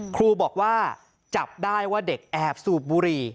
ครูบอกว่าจับได้ว่าเด็กแอบสูบบุหรี่